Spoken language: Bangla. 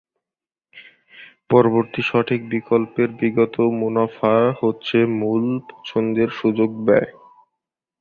পরবর্তী সঠিক বিকল্পের বিগত মুনাফা হচ্ছে মুল পছন্দের সুযোগ ব্যয়।